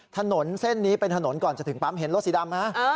ถนนเส้นนี้เป็นถนนก่อนจะถึงปั๊มเห็นรถสีดำฮะ